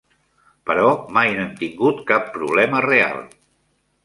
Però mai no hem tingut cap problema real.